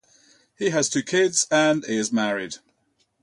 He has two kids and is married.